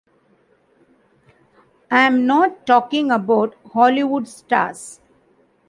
I'm not talking about Hollywood stars.